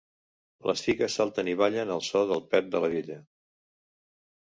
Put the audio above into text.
Les figues salten i ballen al so del pet de la vella.